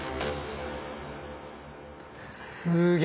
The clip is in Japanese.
すげえ！